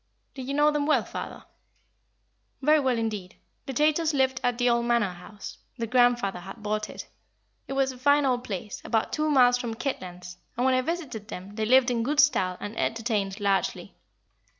"Did you know them well, father?" "Very well, indeed. The Chaytors lived at the old Manor House their grandfather had bought it. It was a fine old place, about two miles from Kitlands, and when I visited them they lived in good style and entertained largely.